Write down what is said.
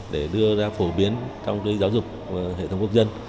để đưa ra phổ biến trong giáo dục hệ thống quốc dân